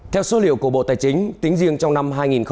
theo số liệu của bộ tài chính tính riêng trong năm hai nghìn hai mươi một